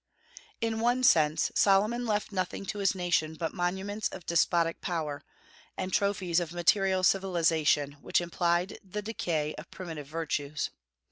In one sense Solomon left nothing to his nation but monuments of despotic power, and trophies of a material civilization which implied the decay of primitive virtues.